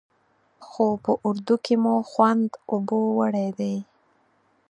خو په اردو کې مو خوند اوبو وړی دی.